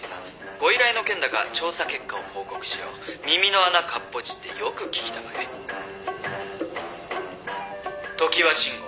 「ご依頼の件だが調査結果を報告しよう」「耳の穴かっぽじってよく聞きたまえ」「常盤臣吾